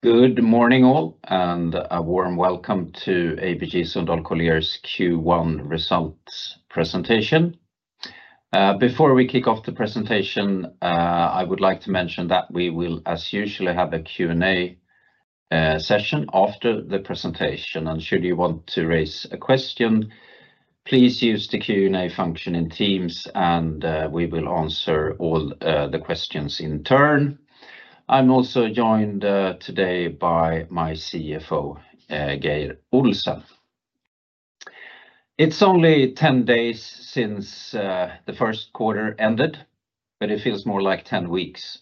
Good morning all, and a warm welcome to ABG Sundal Collier's Q1 results presentation. Before we kick off the presentation, I would like to mention that we will, as usual, have a Q&A session after the presentation. Should you want to raise a question, please use the Q&A function in Teams, and we will answer all the questions in turn. I am also joined today by my CFO, Geir Olsen. It is only 10 days since the first quarter ended, but it feels more like 10 weeks.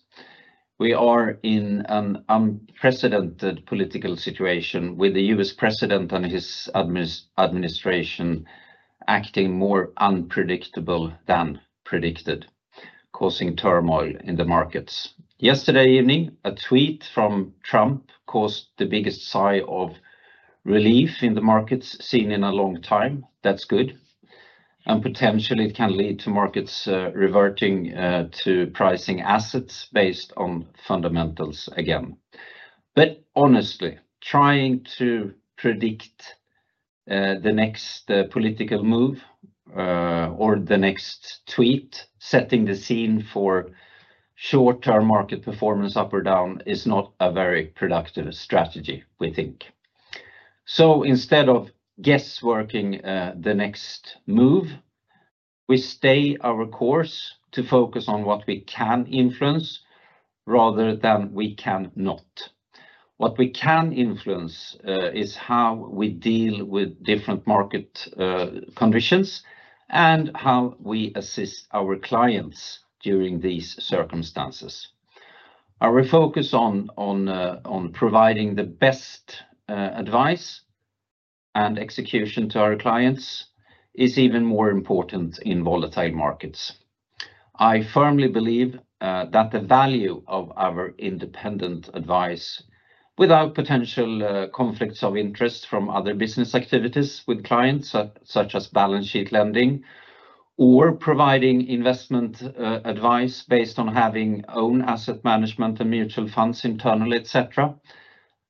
We are in an unprecedented political situation with the U.S. President and his administration acting more unpredictable than predicted, causing turmoil in the markets. Yesterday evening, a tweet from Trump caused the biggest sigh of relief in the markets seen in a long time. That is good. Potentially, it can lead to markets reverting to pricing assets based on fundamentals again. Honestly, trying to predict the next political move or the next tweet, setting the scene for short-term market performance up or down, is not a very productive strategy, we think. Instead of guessworking the next move, we stay our course to focus on what we can influence rather than what we cannot. What we can influence is how we deal with different market conditions and how we assist our clients during these circumstances. Our focus on providing the best advice and execution to our clients is even more important in volatile markets. I firmly believe that the value of our independent advice, without potential conflicts of interest from other business activities with clients, such as balance sheet lending or providing investment advice based on having own asset management and mutual funds internally, etc.,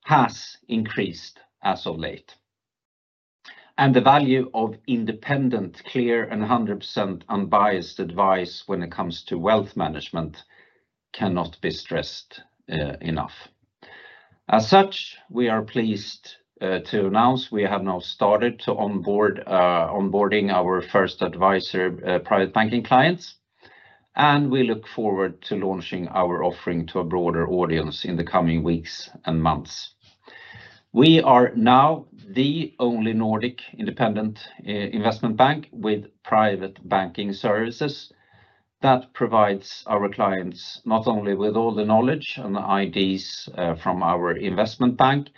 has increased as of late. The value of independent, clear, and 100% unbiased advice when it comes to wealth management cannot be stressed enough. As such, we are pleased to announce we have now started onboarding our first advisor private banking clients, and we look forward to launching our offering to a broader audience in the coming weeks and months. We are now the only Nordic independent investment bank with private banking services that provides our clients not only with all the knowledge and the IDs from our investment bank,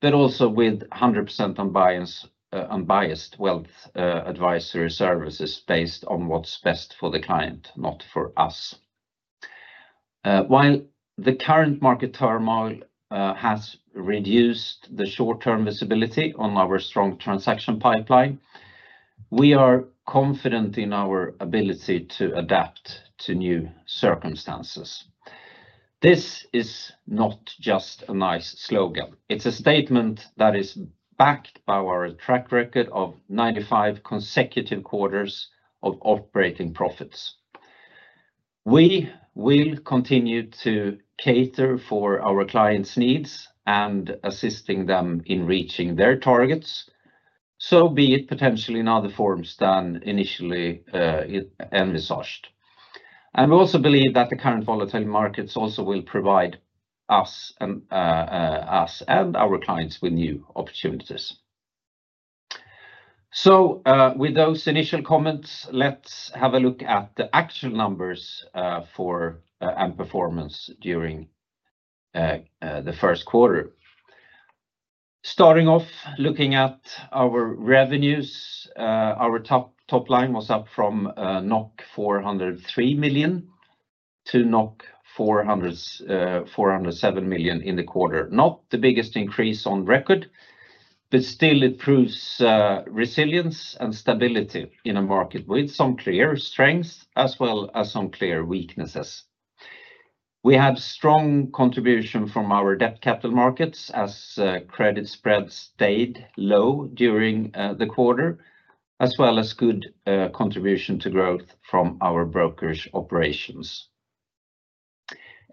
but also with 100% unbiased wealth advisory services based on what's best for the client, not for us. While the current market turmoil has reduced the short-term visibility on our strong transaction pipeline, we are confident in our ability to adapt to new circumstances. This is not just a nice slogan. It's a statement that is backed by our track record of 95 consecutive quarters of operating profits. We will continue to cater for our clients' needs and assist them in reaching their targets, so be it potentially in other forms than initially envisaged. We also believe that the current volatile markets also will provide us and our clients with new opportunities. With those initial comments, let's have a look at the actual numbers for and performance during the first quarter. Starting off, looking at our revenues, our top line was up from 403 million to 407 million in the quarter. Not the biggest increase on record, but still it proves resilience and stability in a market with some clear strengths as well as some clear weaknesses. We had strong contribution from our debt capital markets as credit spreads stayed low during the quarter, as well as good contribution to growth from our brokerage operations.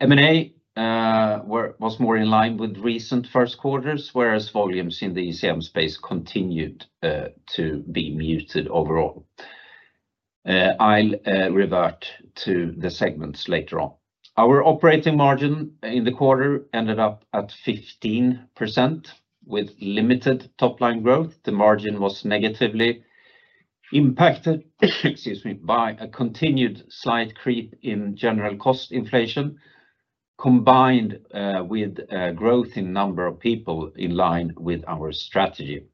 M&A was more in line with recent first quarters, whereas volumes in the ECM space continued to be muted overall. I'll revert to the segments later on. Our operating margin in the quarter ended up at 15% with limited top line growth. The margin was negatively impacted by a continued slight creep in general cost inflation, combined with growth in number of people in line with our strategy.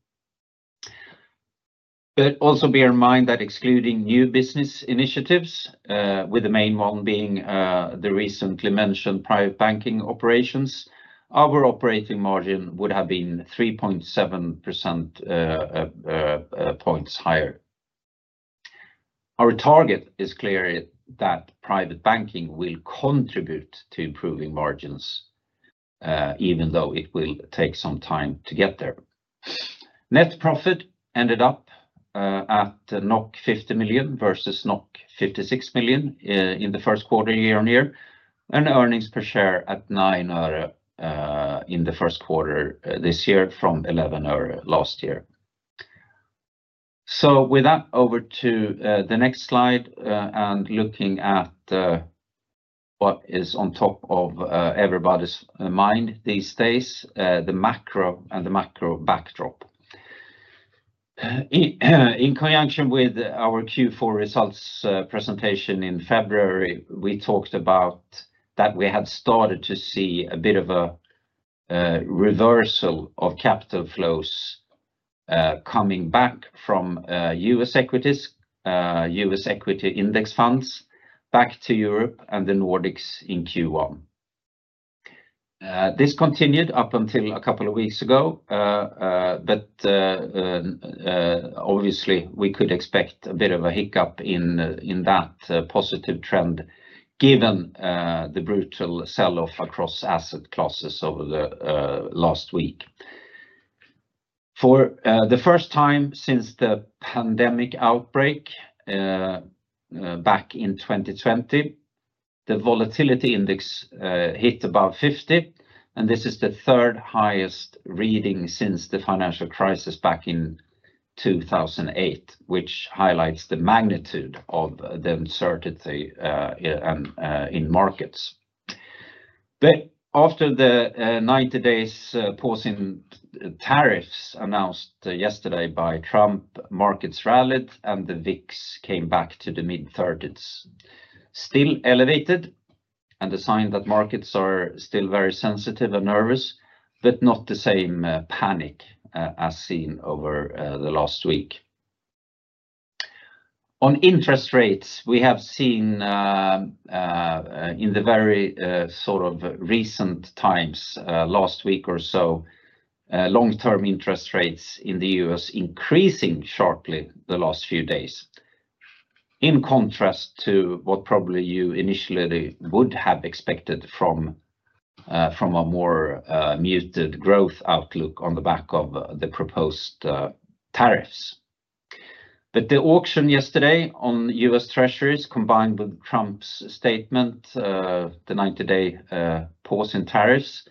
Also bear in mind that excluding new business initiatives, with the main one being the recently mentioned private banking operations, our operating margin would have been 3.7 percentage points higher. Our target is clear that private banking will contribute to improving margins, even though it will take some time to get there. Net profit ended up at 50 million versus 56 million in the first quarter year on year, and earnings per share at 0.09 in the first quarter this year from 0.11 last year. With that, over to the next slide and looking at what is on top of everybody's mind these days, the macro and the macro backdrop. In conjunction with our Q4 results presentation in February, we talked about that we had started to see a bit of a reversal of capital flows coming back from U.S. equities, U.S. equity index funds, back to Europe and the Nordics in Q1. This continued up until a couple of weeks ago, but obviously, we could expect a bit of a hiccup in that positive trend given the brutal sell-off across asset classes over the last week. For the first time since the pandemic outbreak back in 2020, the volatility index hit above 50, and this is the third highest reading since the financial crisis back in 2008, which highlights the magnitude of the uncertainty in markets. After the 90 days pause in tariffs announced yesterday by Trump, markets rallied and the VIX came back to the mid-30s. Still elevated and a sign that markets are still very sensitive and nervous, but not the same panic as seen over the last week. On interest rates, we have seen in the very sort of recent times, last week or so, long-term interest rates in the US increasing sharply the last few days, in contrast to what probably you initially would have expected from a more muted growth outlook on the back of the proposed tariffs. The auction yesterday on U.S. treasuries, combined with Trump's statement, the 90-day pause in tariffs,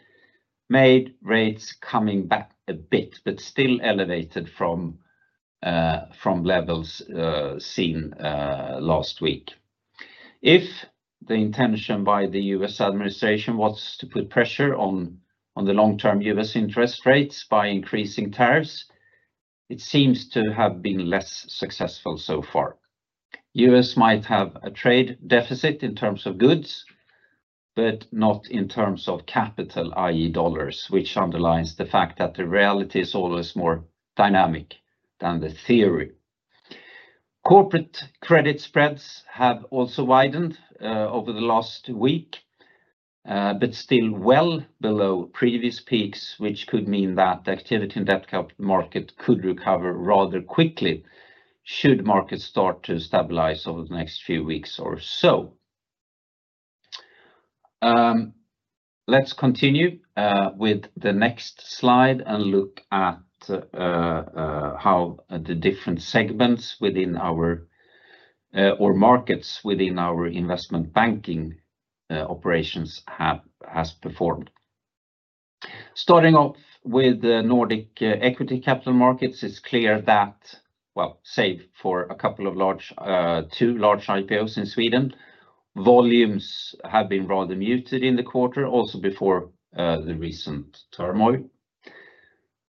made rates come back a bit, but still elevated from levels seen last week. If the intention by the U.S. administration was to put pressure on the long-term U.S. interest rates by increasing tariffs, it seems to have been less successful so far. U.S. might have a trade deficit in terms of goods, but not in terms of capital, i.e., dollars, which underlines the fact that the reality is always more dynamic than the theory. Corporate credit spreads have also widened over the last week, but still well below previous peaks, which could mean that the activity in the debt market could recover rather quickly should markets start to stabilize over the next few weeks or so. Let's continue with the next slide and look at how the different segments within our or markets within our investment banking operations have performed. Starting off with the Nordic equity capital markets, it's clear that, save for a couple of large, two large IPOs in Sweden, volumes have been rather muted in the quarter, also before the recent turmoil.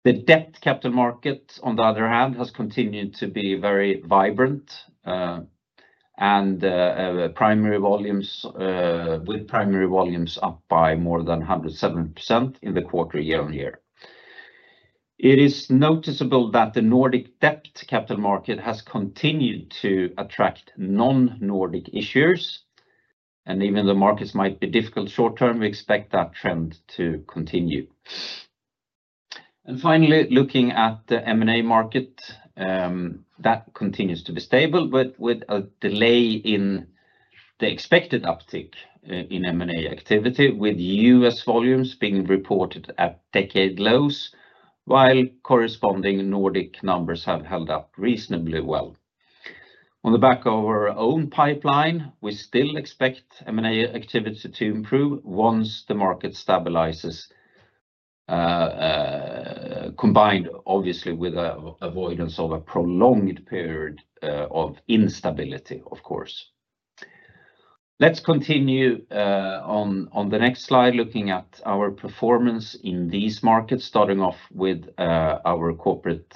The debt capital market, on the other hand, has continued to be very vibrant and with primary volumes up by more than 107% in the quarter year on year. It is noticeable that the Nordic debt capital market has continued to attract non-Nordic issuers, and even though markets might be difficult short term, we expect that trend to continue. Finally, looking at the M&A market, that continues to be stable, but with a delay in the expected uptick in M&A activity, with US volumes being reported at decade lows, while corresponding Nordic numbers have held up reasonably well. On the back of our own pipeline, we still expect M&A activity to improve once the market stabilizes, combined obviously with avoidance of a prolonged period of instability, of course. Let's continue on the next slide, looking at our performance in these markets, starting off with our corporate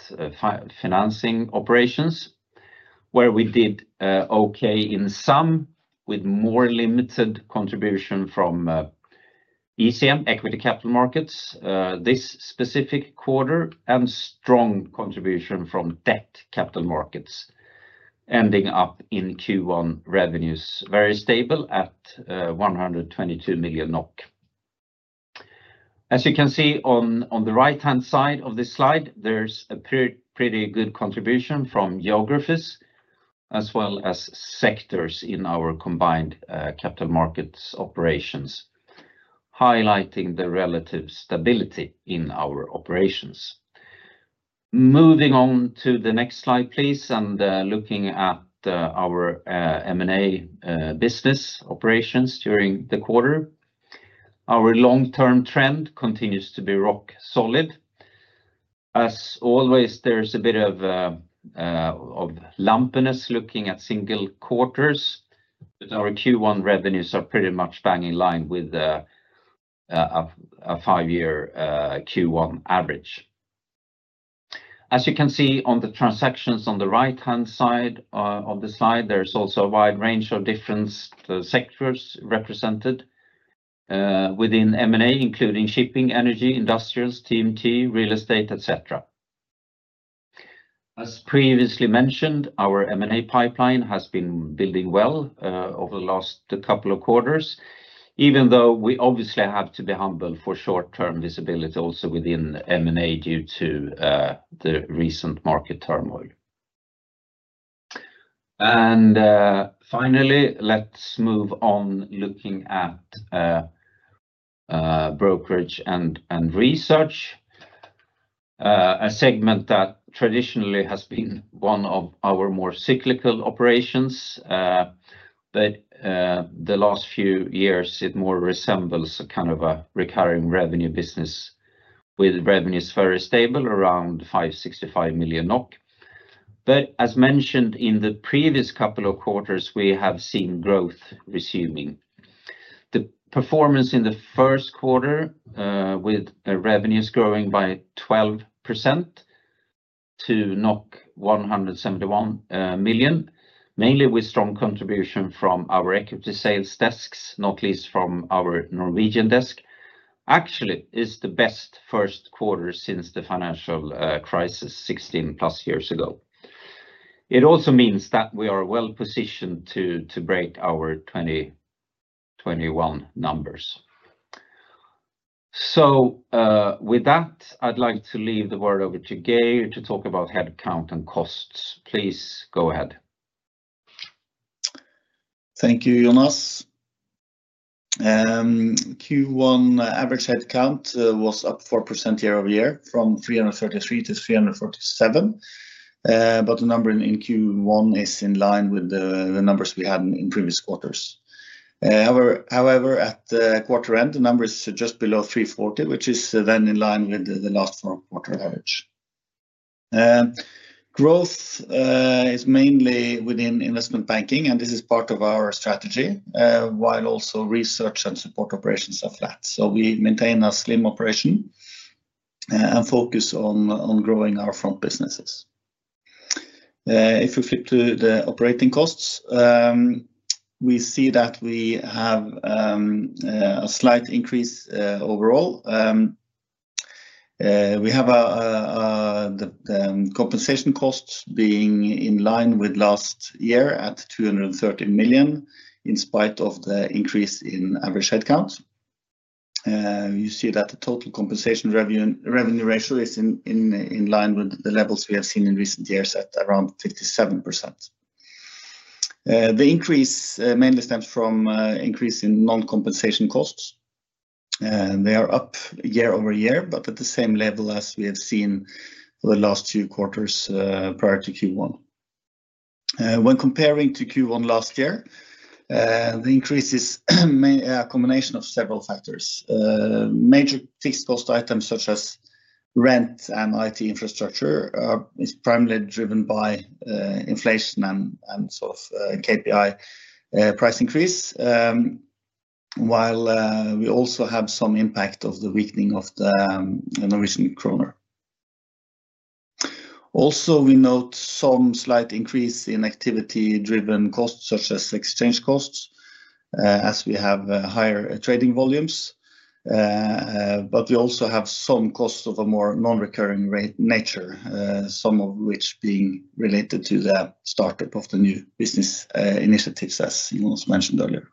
financing operations, where we did okay in some with more limited contribution from ECM equity capital markets this specific quarter and strong contribution from debt capital markets, ending up in Q1 revenues very stable at 122 million NOK. As you can see on the right-hand side of this slide, there's a pretty good contribution from geographies as well as sectors in our combined capital markets operations, highlighting the relative stability in our operations. Moving on to the next slide, please, and looking at our M&A business operations during the quarter, our long-term trend continues to be rock solid. As always, there's a bit of lumpiness looking at single quarters, but our Q1 revenues are pretty much bang in line with a five-year Q1 average. As you can see on the transactions on the right-hand side of the slide, there's also a wide range of different sectors represented within M&A, including shipping, energy, industrials, TMT, real estate, etc. As previously mentioned, our M&A pipeline has been building well over the last couple of quarters, even though we obviously have to be humble for short-term visibility also within M&A due to the recent market turmoil. Finally, let's move on looking at brokerage and research, a segment that traditionally has been one of our more cyclical operations, but the last few years it more resembles a kind of a recurring revenue business with revenues very stable around 565 million NOK. As mentioned in the previous couple of quarters, we have seen growth resuming. The performance in the first quarter with revenues growing by 12% to 171 million, mainly with strong contribution from our equity sales desks, not least from our Norwegian desk, actually is the best first quarter since the financial crisis 16 plus years ago. It also means that we are well positioned to break our 2021 numbers. With that, I'd like to leave the word over to Geir to talk about headcount and costs. Please go ahead. Thank you, Jonas. Q1 average headcount was up 4% year over year from 333 to 347, but the number in Q1 is in line with the numbers we had in previous quarters. However, at the quarter end, the number is just below 340, which is then in line with the last four quarter average. Growth is mainly within investment banking, and this is part of our strategy, while also research and support operations are flat. We maintain a slim operation and focus on growing our front businesses. If we flip to the operating costs, we see that we have a slight increase overall. We have the compensation costs being in line with last year at 230 million in spite of the increase in average headcount. You see that the total compensation revenue ratio is in line with the levels we have seen in recent years at around 57%. The increase mainly stems from increase in non-compensation costs. They are up year over year, but at the same level as we have seen the last two quarters prior to Q1. When comparing to Q1 last year, the increase is a combination of several factors. Major fixed cost items such as rent and IT infrastructure are primarily driven by inflation and sort of KPI price increase, while we also have some impact of the weakening of the Norwegian krone. Also, we note some slight increase in activity-driven costs such as exchange costs as we have higher trading volumes, but we also have some costs of a more non-recurring nature, some of which being related to the startup of the new business initiatives, as Jonas mentioned earlier.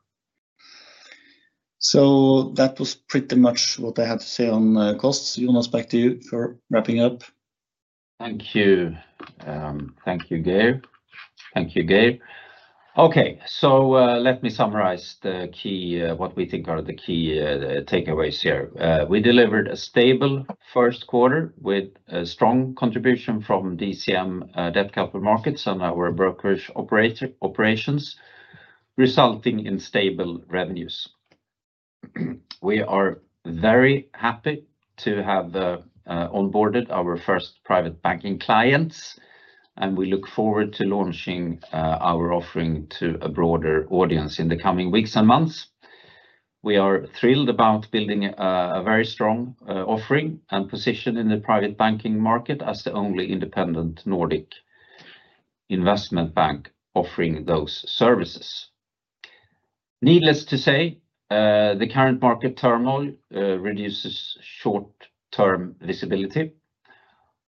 That was pretty much what I had to say on costs. Jonas, back to you for wrapping up. Thank you. Thank you, Geir. Thank you, Geir. Okay, let me summarize the key what we think are the key takeaways here. We delivered a stable first quarter with a strong contribution from DCM debt capital markets and our brokerage operations, resulting in stable revenues. We are very happy to have onboarded our first private banking clients, and we look forward to launching our offering to a broader audience in the coming weeks and months. We are thrilled about building a very strong offering and position in the private banking market as the only independent Nordic investment bank offering those services. Needless to say, the current market turmoil reduces short-term visibility.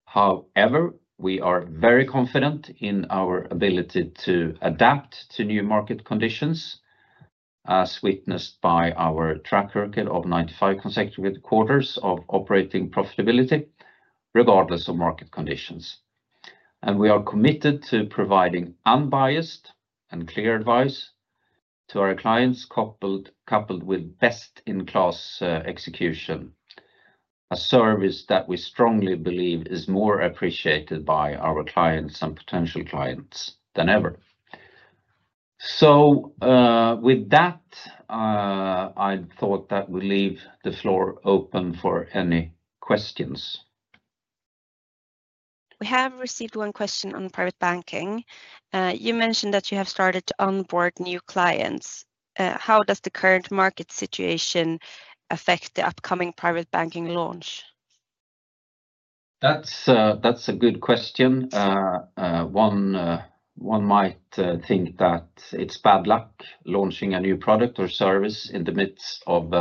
However, we are very confident in our ability to adapt to new market conditions, as witnessed by our track record of 95 consecutive quarters of operating profitability regardless of market conditions. We are committed to providing unbiased and clear advice to our clients coupled with best-in-class execution, a service that we strongly believe is more appreciated by our clients and potential clients than ever. With that, I thought that we leave the floor open for any questions. We have received one question on private banking. You mentioned that you have started to onboard new clients. How does the current market situation affect the upcoming private banking launch? That's a good question. One might think that it's bad luck launching a new product or service in the midst of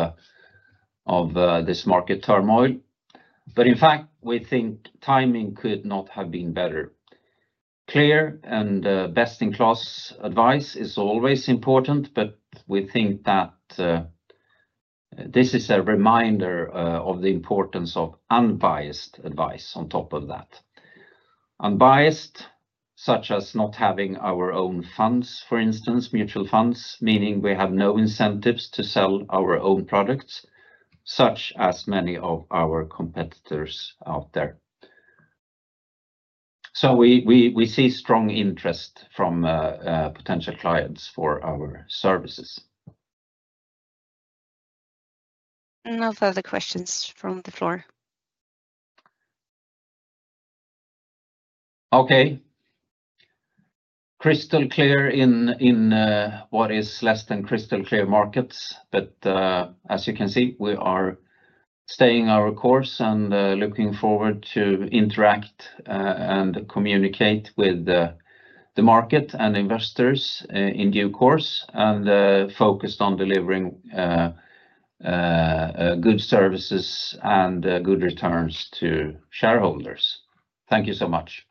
this market turmoil. In fact, we think timing could not have been better. Clear and best-in-class advice is always important, but we think that this is a reminder of the importance of unbiased advice on top of that. Unbiased, such as not having our own funds, for instance, mutual funds, meaning we have no incentives to sell our own products, such as many of our competitors out there. We see strong interest from potential clients for our services. No further questions from the floor. Okay. Crystal clear in what is less than crystal clear markets, but as you can see, we are staying our course and looking forward to interact and communicate with the market and investors in due course and focused on delivering good services and good returns to shareholders. Thank you so much.